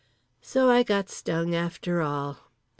So I got stung after all.